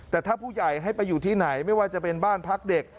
แต่ถ้าผู้ใหญ่ให้ไปอยู่ที่ไหนไม่ว่าจะเป็นบ้านพักเด็ก